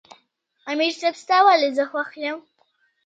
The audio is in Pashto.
" امیر صېب ستا ولې زۀ خوښ یم" ـ